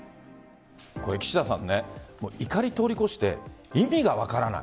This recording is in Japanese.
岸田さん、怒りを通り越して意味が分からない。